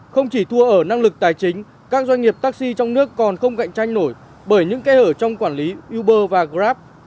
trong thời gian tài chính các doanh nghiệp taxi trong nước còn không cạnh tranh nổi bởi những kẽ hở trong quản lý uber và grab